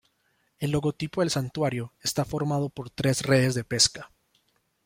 El logotipo del santuario está formado por tres redes de pesca.